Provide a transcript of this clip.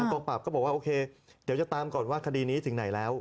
กองปราบก็บอกว่าโอเคเดี๋ยวจะตามก่อนว่าคดีนี้ถึงไหนแล้ว